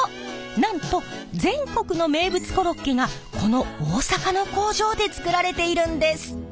なんと全国の名物コロッケがこの大阪の工場で作られているんです！